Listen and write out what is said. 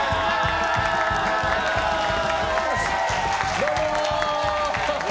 どうも！